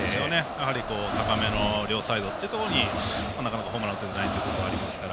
やはり、高めの両サイドっていうところになかなかホームラン打ててないということはありますから。